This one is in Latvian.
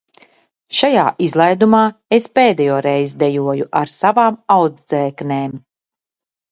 Šajā izlaidumā es pēdējo reizi dejoju ar savām audzēknēm.